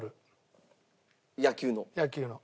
野球の？